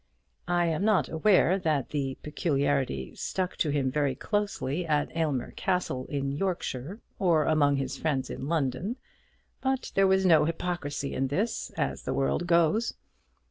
I am not aware that the peculiarity stuck to him very closely at Aylmer Castle, in Yorkshire, or among his friends in London; but there was no hypocrisy in this, as the world goes.